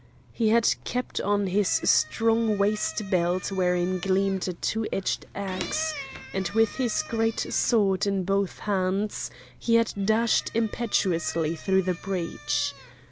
He had kept on his strong waist belt, wherein gleamed a two edged axe, and with his great sword in both hands he had dashed impetuously through the breach.